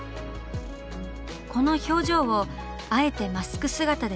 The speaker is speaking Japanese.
この表情をあえてマスク姿で伝える。